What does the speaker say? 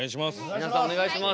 皆さんお願いします。